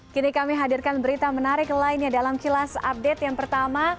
kini kami hadirkan berita menarik lainnya dalam kilas update yang pertama